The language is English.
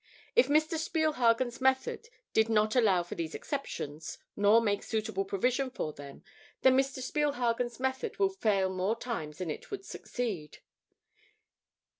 If Mr. Spielhagen's method did not allow for these exceptions, nor make suitable provision for them, then Mr. Spielhagen's method would fail more times than it would succeed.